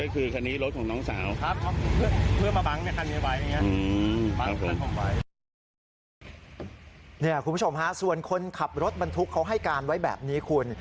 คุณผู้ชมฮะส่วนคนขับรถบรรทุกเขาให้การไว้แบบนี้คุณ